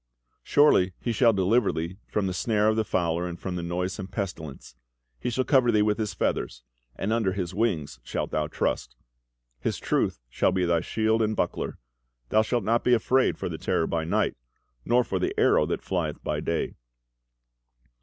"Surely He shall deliver thee from the snare of the fowler, And from the noisome pestilence. He shall cover thee with His feathers, and under His wings shalt thou trust: His truth shall be thy shield and buckler. Thou shalt not be afraid for the terror by night; Nor for the arrow that flieth by day.